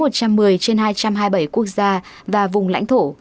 trên hai trăm hai mươi bảy quốc gia và vùng lãnh thổ